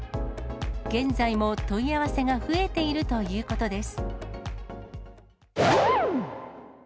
現在も問い合わせが増えているということです。